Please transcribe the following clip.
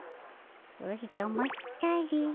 おじゃまったり。